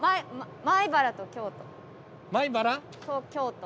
米原？と京都。